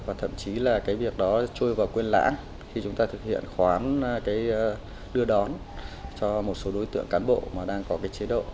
và thậm chí là cái việc đó trôi vào quên lãng khi chúng ta thực hiện khoán đưa đón cho một số đối tượng cán bộ mà đang có cái chế độ